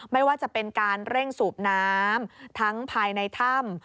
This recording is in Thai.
ไม่ว่าจะเป็นการเร่งสูบน้ำทั้งภายในถ้ำ